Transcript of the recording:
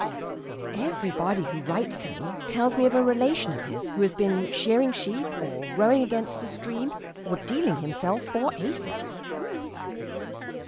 Everybody who writes to me tells me of a relation of his who has been shearing sheep or rowing against the stream or dealing himself four aces.